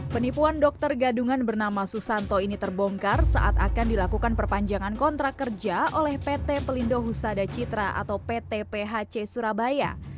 penipuan dokter gadungan bernama susanto ini terbongkar saat akan dilakukan perpanjangan kontrak kerja oleh pt pelindo husada citra atau pt phc surabaya